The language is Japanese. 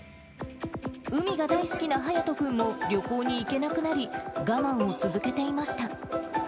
海が大好きなはやと君も旅行に行けなくなり、我慢を続けていました。